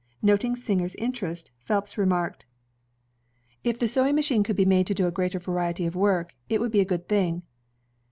Noting Singer's interest, Phelps remarked: "If the sewing machine ELIAS HOWE 137 could be made to do a greater variety of work, it would be a good thing."